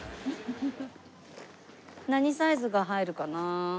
何サイズが入るかな？